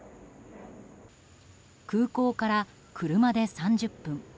空港から車で３０分。